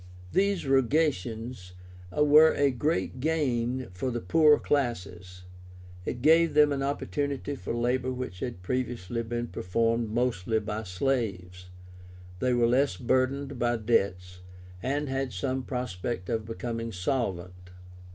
These rogations were a great gain for the poorer classes. It gave them an opportunity for labor which had previously been performed mostly by slaves. They were less burdened by debts, and had some prospect of becoming solvent.